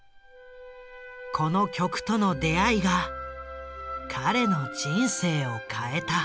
この曲との出会いが彼の人生を変えた。